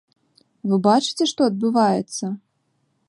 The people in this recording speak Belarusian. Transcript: Вы бачыце, што адбываецца!